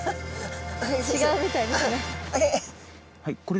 はい。